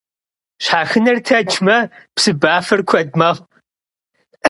Şhexıner tecme, psıbafer kued mexhu.